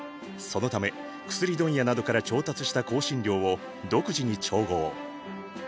そのため薬問屋などから調達した香辛料を独自に調合。